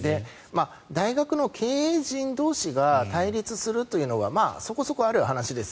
大学の経営陣同士が対立するというのはそこそこある話です。